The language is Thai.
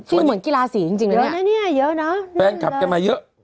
ที่เหมือนกีฬาสีจริงจริงเลยเนี่ยเยอะนะเนี่ยเยอะเนอะแฟนคับกันมาเยอะ